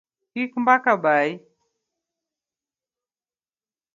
Kik mbaka bayi